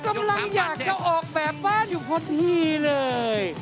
กำลังอยากจะออกแบบบ้านอยู่พอดีเลย